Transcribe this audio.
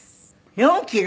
４キロ！？